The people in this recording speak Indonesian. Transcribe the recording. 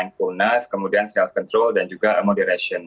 handphoneness kemudian self control dan juga moderation